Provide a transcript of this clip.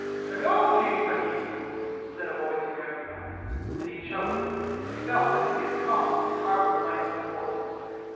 "Hullo, King sahib!" said a voice he recognized; and he choked. He felt that if he had coughed his heart would have lain on the floor!